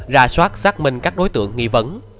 rà soát xác minh các đối tượng nghi vấn